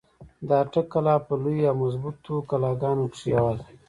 د اټک قلا په لويو او مضبوطو قلاګانو کښې يوه ده۔